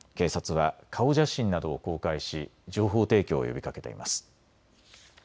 警察は顔写真などを公開し情報提供を呼びかけています。